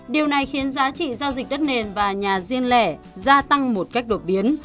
điều này khiến giá trị giao dịch đất nền và nhà riêng lẻ gia tăng một cách đột biến